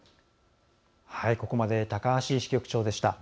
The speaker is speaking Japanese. ここまで高橋支局長でした。